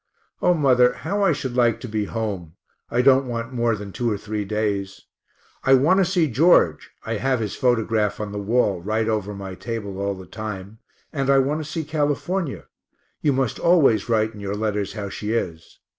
O mother, how I should like to be home (I don't want more than two or three days). I want to see George (I have his photograph on the wall, right over my table all the time), and I want to see California you must always write in your letters how she is.